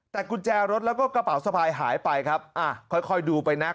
แต่กุญแจรถแล้วก็กระเป๋าสะพายหายไปครับอ่าค่อยดูไปนะ